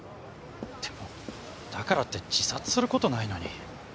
でもだからって自殺することないのに。